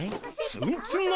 ツンツン頭！